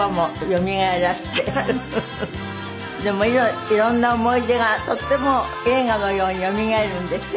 いろんな思い出がとっても映画のようによみがえるんですって？